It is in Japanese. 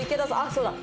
そうだ！